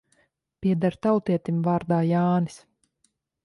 Pieder tautietim vārdā Jānis.